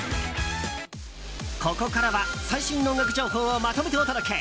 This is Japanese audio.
ここからは最新の音楽情報をまとめてお届け！